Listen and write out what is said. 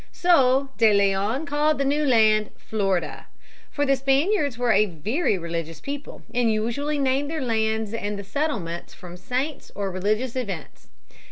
So De Leon called the new land Florida. For the Spaniards were a very religious people and usually named their lands and settlements from saints or religious events.